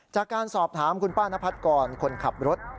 จากการสอบถามคุณป้านพัฒกรคนขับรถ